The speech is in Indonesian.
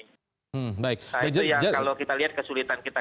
nah itu yang kalau kita lihat kesulitan kita